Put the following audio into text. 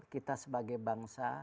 kita sebagai bangsa